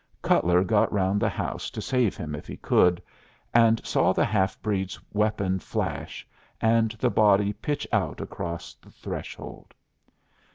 Cutler got round the house to save him if he could, and saw the half breed's weapon flash, and the body pitch out across the threshold.